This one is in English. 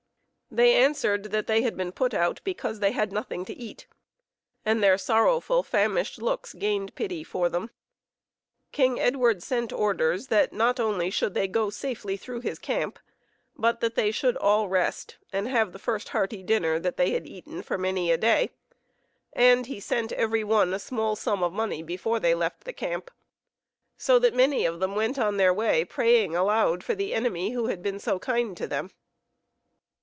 They answered that they had been put out because they had nothing to eat, and their sorrowful famished looks gained pity for them. King Edward sent orders that not only should they go safely through his camp, but that they should all rest, and have the first hearty dinner that they had eaten for many a day, and he sent every one a small sum of money before they left the camp, so that many of them went on their way praying aloud for the enemy who had been so kind to them.